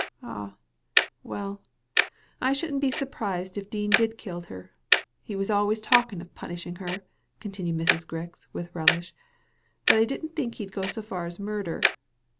*' Ah, well, I shouldn't be surprised if Dean did kill her. He was always talking of punishing her," continued Mrs. Grix, with relish ; "but I didn't think he'd go so far as murder."